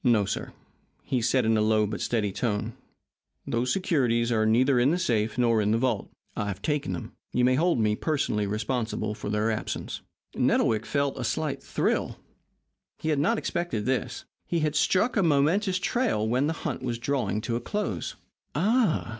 "No, sir," he said, in a low but steady tone; "those securities are neither in the safe nor in the vault. I have taken them. You may hold me personally responsible for their absence." Nettlewick felt a slight thrill. He had not expected this. He had struck a momentous trail when the hunt was drawing to a close. "Ah!"